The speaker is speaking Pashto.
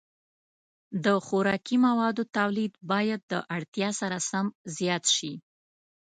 د خوراکي موادو تولید باید د اړتیا سره سم زیات شي.